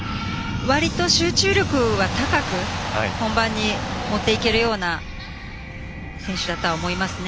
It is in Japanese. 割と集中力が高く本番に持っていけるような選手だと思いますね。